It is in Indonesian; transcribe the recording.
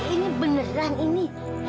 ini beneran ini